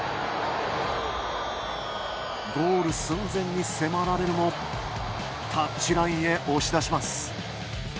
ゴール寸前に迫られるもタッチラインへ押し出します。